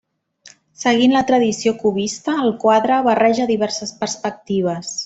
Seguint la tradició cubista, el quadre barreja diverses perspectives.